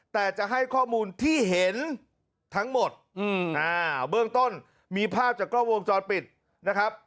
แต่จะให้ข้อมูลที่เห็นทั้งหมดเบื้องต้นมีภาพจากกล้องวงจรปิดนะครับ